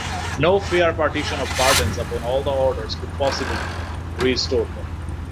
No fair partition of burdens upon all the orders could possibly restore them.